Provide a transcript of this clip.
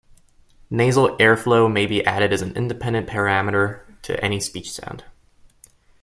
Nasal airflow may be added as an independent parameter to any speech sound.